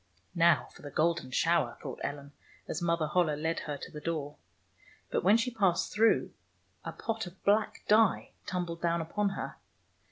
"Now for the golden shower," thought Ellen, as Mother Holle led her to the door. But when she passed through, a pot of black dye tumbled down upon her.